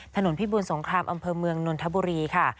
พิบูรสงครามอำเภอเมืองนนทบุรีค่ะ